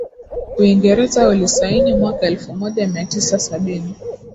uingereza walisaini mwaka elfu moja mia tisa sabini